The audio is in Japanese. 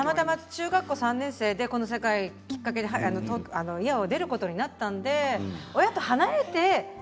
中学３年生でこの世界に入って家を出ることになったので親と離れて。